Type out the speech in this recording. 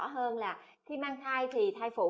hơn là khi mang thai thì thai phụ